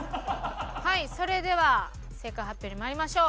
はいそれでは正解発表にまいりましょう。